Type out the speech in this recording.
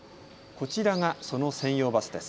こちらがその専用バスです。